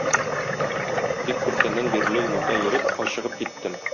Бик күптәннән бирле юлда йөреп, ачыгып киттем.